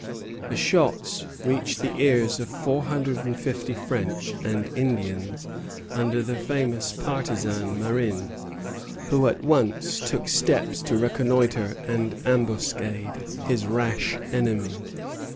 The shots reached the ears of four hundred and fifty French and Indians under the famous partisan Marin, who at once took steps to reconnoitre and ambuscade his rash enemy.